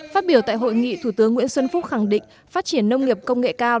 phát biểu tại hội nghị thủ tướng nguyễn xuân phúc khẳng định phát triển nông nghiệp công nghệ cao